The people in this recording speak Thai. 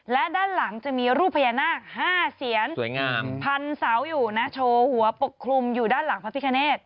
และด้านหลังจะมีรูปพญานาค๕เสียนสวยงามพันเสาอยู่นะโชว์หัวปกคลุมอยู่ด้านหลังพระพิคเนต